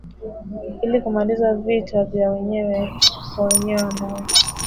ili kumaliza vita vya wenyewe kwa wenyewe ambao